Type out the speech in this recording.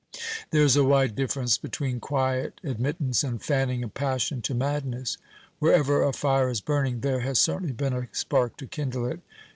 "There is a wide difference between quiet admittance and fanning a passion to madness. Wherever a fire is burning, there has certainly been a spark to kindle it.